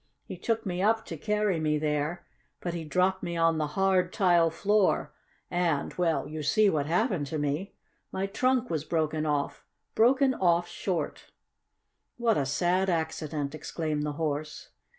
He took me up to carry me there, but he dropped me on the hard, tile floor and well, you see what happened to me. My trunk was broken off broken off short!" "What a sad accident!" exclaimed the Horse.